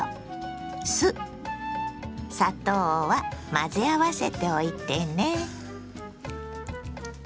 混ぜ合わせておいてね。